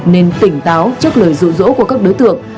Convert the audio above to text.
nên tỉnh táo trước lời rủ rỗ của các đối tượng